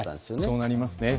そうなりますね。